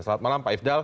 selamat malam pak ifdal